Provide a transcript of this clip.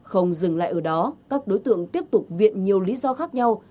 không dừng lại ở đó các đối tượng tiếp tục viện nhiều lý do khác nhau